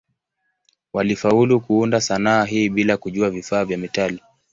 Walifaulu kuunda sanaa hii bila kujua vifaa vya metali.